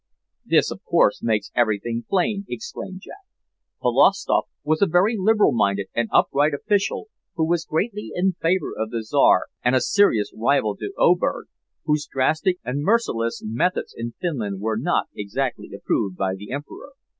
"This, of course, makes everything plain," exclaimed Jack. "Polovstoff was a very liberal minded and upright official who was greatly in the favor of the Czar, and a serious rival to Oberg, whose drastic and merciless methods in Finland were not exactly approved by the Emperor.